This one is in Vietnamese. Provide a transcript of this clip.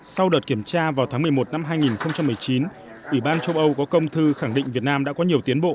sau đợt kiểm tra vào tháng một mươi một năm hai nghìn một mươi chín ủy ban châu âu có công thư khẳng định việt nam đã có nhiều tiến bộ